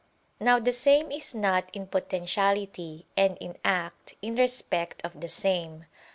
Now the same is not in potentiality and in act, in respect of the same.